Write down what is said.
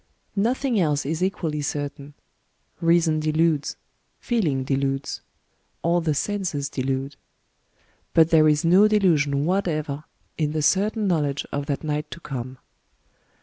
Nothing else is equally certain. Reason deludes ; feeling deludes; all the senses delude. But there is no delusion whatever in the certain knowledge of that night to come.